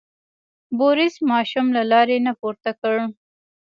بوریس ماشوم له لارې نه پورته کړ.